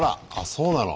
そうなの。